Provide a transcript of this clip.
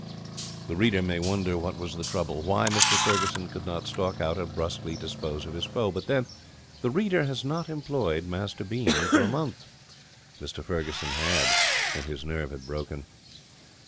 The reader may wonder what was the trouble why Mr Ferguson could not stalk out and brusquely dispose of his foe; but then the reader has not employed Master Bean for a month. Mr Ferguson had, and his nerve had broken.